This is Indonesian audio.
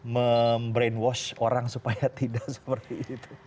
membrainwash orang supaya tidak seperti itu